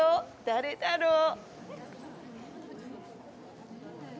誰だろう？